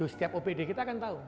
setiap opd kita akan tahu